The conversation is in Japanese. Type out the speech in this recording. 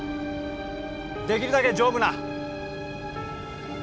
できるだけ丈夫な。